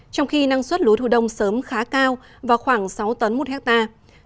trong khi năng suất lúa thu đông sớm khá cao vào khoảng sáu tấn một hectare